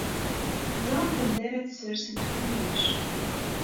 Teẓramt anda ara tessersemt kullec?